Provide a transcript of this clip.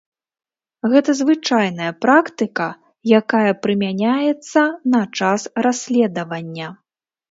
Гэта звычайная практыка, якая прымяняецца на час расследавання.